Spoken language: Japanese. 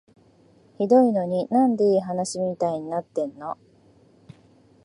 ひどいのに、なんでいい話みたいになってんの？